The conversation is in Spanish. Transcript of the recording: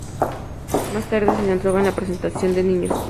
Más tarde se centró en la representación de niños.